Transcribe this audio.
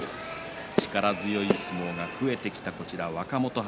力強い相撲が増えてきた若元春。